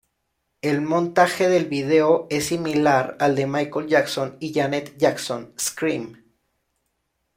El montaje del vídeo es similar al de Michael Jackson y Janet Jackson "Scream".